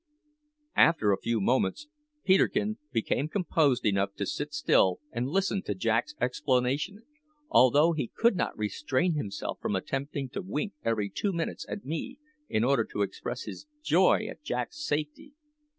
After a few moments Peterkin became composed enough to sit still and listen to Jack's explanation, although he could not restrain himself from attempting to wink every two minutes at me in order to express his joy at Jack's safety.